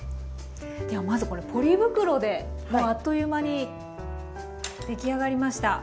ではまずこれポリ袋であっという間にできあがりました。